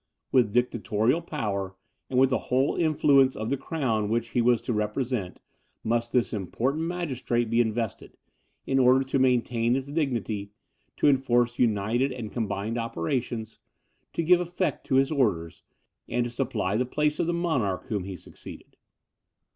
With dictatorial power, and with the whole influence of the crown which he was to represent, must this important magistrate be invested, in order to maintain its dignity, to enforce united and combined operations, to give effect to his orders, and to supply the place of the monarch whom he succeeded.